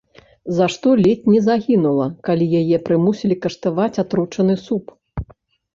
За што ледзь не загінула, калі яе прымусілі каштаваць атручаны суп.